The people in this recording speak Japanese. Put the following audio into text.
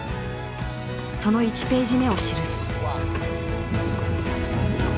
その１ページ目を記す。